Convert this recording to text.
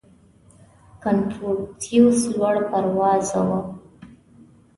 • کنفوسیوس لوړ پروازه و.